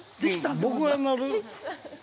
◆僕は乗る。